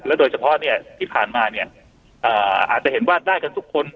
โดยเฉพาะเนี่ยที่ผ่านมาเนี่ยอาจจะเห็นว่าได้กันทุกคน